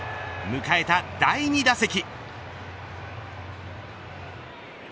迎えた第２打席。